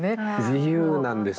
自由なんですよ。